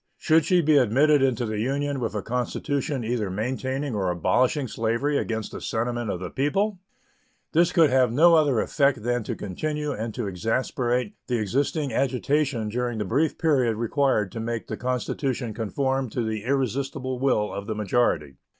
Should she be admitted into the Union with a constitution either maintaining or abolishing slavery against the sentiment of the people, this could have no other effect than to continue and to exasperate the existing agitation during the brief period required to make the constitution conform to the irresistible will of the majority.